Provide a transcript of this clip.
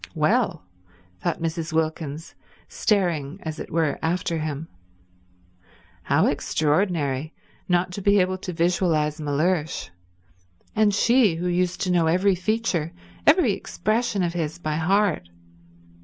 "Well," thought Mrs. Wilkins, staring, as it were, after him. How extraordinary not to be able to visualize Mellersh; and she who used to know every feature, every expression of his by heart.